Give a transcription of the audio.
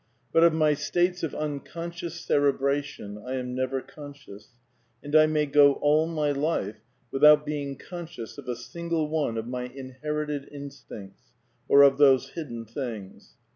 But of my states of *^ un I conscious cerebration " I am never conscious ; and I may I go all my life without being conscious of a single one of ' my ^^ inherited " instincts or of those hidden things.